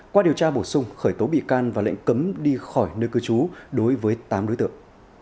qua điều tra bổ sung khởi tố bị can và lệnh cấm đi khỏi nơi cư trú đối với tám đối tượng